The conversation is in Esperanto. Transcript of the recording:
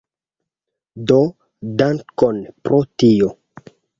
Do dankon pro tio